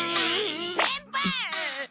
先輩！